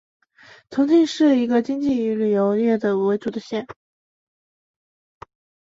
重庆是一个经济以旅游业为主的县。